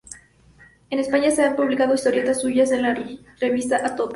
En España se han publicado historietas suyas en la revista "A Tope".